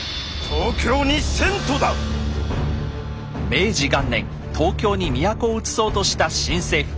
明治元年東京に都をうつそうとした新政府。